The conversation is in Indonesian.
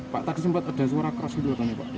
pak tadi sempat ada suara keras gitu katanya pak